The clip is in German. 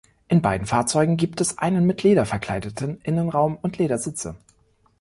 In beiden Fahrzeugen gibt es einen mit Leder verkleideten Innenraum und Ledersitze.